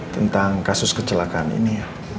tentang kasus kecelakaan ini